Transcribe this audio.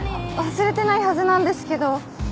忘れてないはずなんですけど。